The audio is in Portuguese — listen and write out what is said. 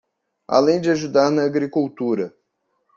Além de ajudar na agricultura